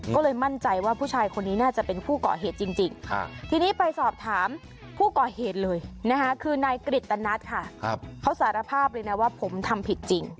ก็เลยมั่นใจว่าผู้ชายคนนี้น่าจะเป็นผู้ก่อเหตุจริงทีนี้ไปสอบถามผู้ก่อเหตุเลยนะคะคือนายกริตนัทค่ะเขาสารภาพเลยนะว่าผมทำผิดจริง